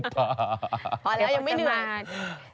พอแล้วยังไม่เหนื่อย